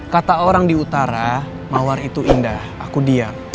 kata orang di utara mawar itu indah aku diam